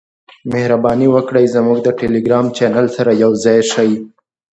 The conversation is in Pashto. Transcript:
مهرباني وکړئ زموږ د ټیلیګرام چینل سره یوځای شئ .